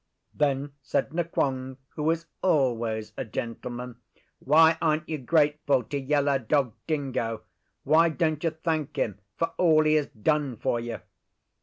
Then said Nqong, who is always a gentleman, 'Why aren't you grateful to Yellow Dog Dingo? Why don't you thank him for all he has done for you?